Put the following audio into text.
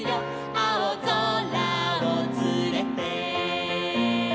「あおぞらをつれて」